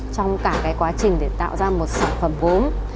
trong cả cái quá trình để tạo ra một sản phẩm gốm